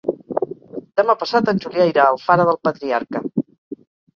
Demà passat en Julià irà a Alfara del Patriarca.